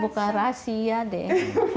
bukan rahasia deh